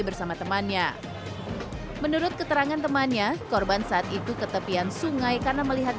bersama temannya menurut keterangan temannya korban saat itu ke tepian sungai karena melihat